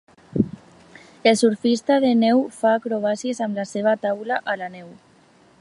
El surfista de neu fa acrobàcies amb la seva taula a la neu.